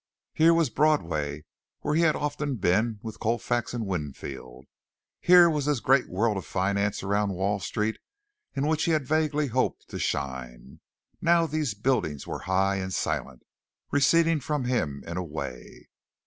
Here was Broadway where he had often been with Colfax and Winfield. Here was this great world of finance around Wall Street in which he had vaguely hoped to shine. Now these buildings were high and silent receding from him in a way.